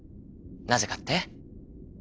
なぜかって？